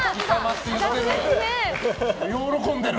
喜んでる。